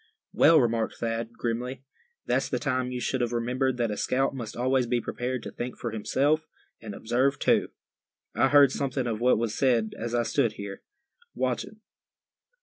"Well," remarked Thad, grimly, "that's the time you should have remembered that a scout must always be prepared to think for himself, and observe too. I heard something of what was said as I stood here, watching.